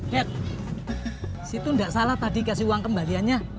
bet si itu gak salah tadi kasih uang kembaliannya